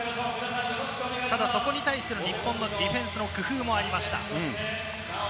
そこに対して、日本のディフェンスの工夫もありました。